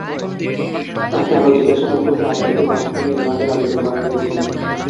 তাঁকে আরও জিজ্ঞাসাবাদ করতে আদালতে পাঁচ দিনের রিমান্ডের আবেদন করা হয়েছে।